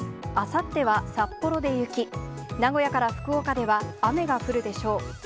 あさっては札幌で雪、名古屋から福岡では雨が降るでしょう。